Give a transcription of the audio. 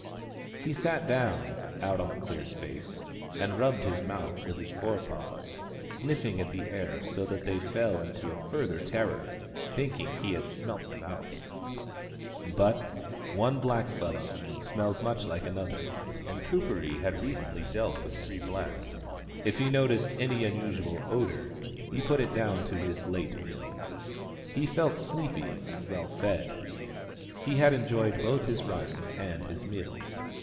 He sat down, out on the clear space, and rubbed his mouth with his forepaws, snifhng at the air so that they fell into a further terror, thinking he had smelt them out. But one blackfellow smells much like another, and Kuperee had recently dealt with 30 THE STONE AXE OF BURKAMUKK three blacks : if he noticed any unusual odour he put it down to his late meal. He felt sleepy and well fed ; he had enjoyed both his run and his meal.